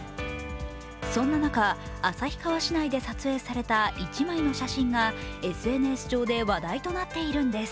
そんな中、旭川市内で撮影された１枚の写真がＳＮＳ上で話題となっているんです。